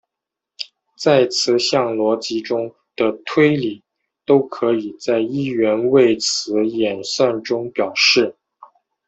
在词项逻辑中的推理都可以在一元谓词演算中表示。